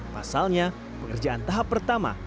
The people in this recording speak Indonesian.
pasalnya pekerjaan tahap pertama